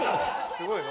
すごいの？